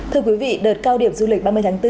thưa quý vị đợt cao điểm du lịch ba mươi tháng bốn